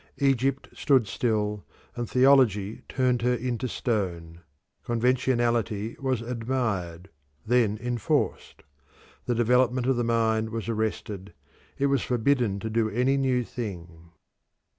Egypt stood still, and theology turned her into stone. Conventionality was admired, then enforced. The development of the mind was arrested; it was forbidden to do any new thing.